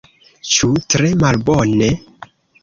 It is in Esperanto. Ĉu tre malbone?